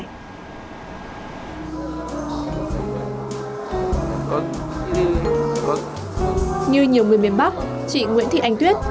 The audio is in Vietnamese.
như nhiều người miền bắc chị nguyễn thị anh tuyết